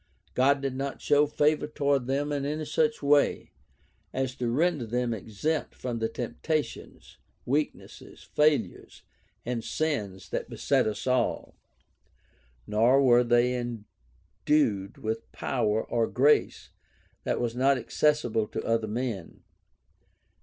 God did not show favor toward them in any such way as to render them exempt from the temptations, weaknesses, fail ures, and sins that beset us all. Nor were they endued with power or grace that was not accessible to other men.